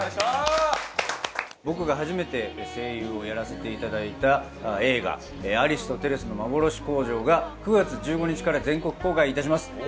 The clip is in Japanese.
僕が初めて声優をやらせて頂いた映画『アリスとテレスのまぼろし工場』が９月１５日から全国公開致します。